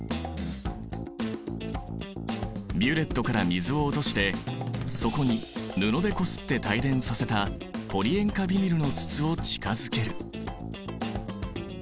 ビュレットから水を落としてそこに布でこすって帯電させたポリ塩化ビニルの筒を近づける。